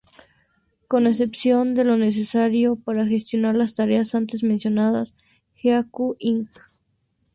Con excepción de lo necesario para gestionar las tareas antes mencionadas, Haiku, Inc.